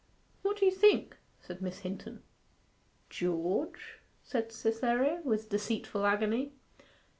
'What do you think?' said Miss Hinton. 'George?' said Cytherea, with deceitful agony.